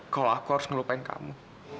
kalau aku harus ngelupain kamu